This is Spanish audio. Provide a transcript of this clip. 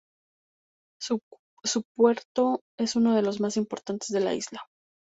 Su puerto es uno de los más importantes de la isla.